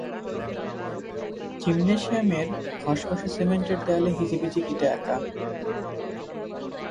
জিমনেশিয়ামের খসখসে সিমেন্টের দেয়ালে হিজিবিজি কেটে আঁকা।